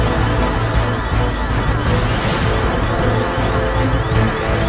mas rasha tunggu